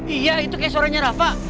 iya itu kayak suaranya rafa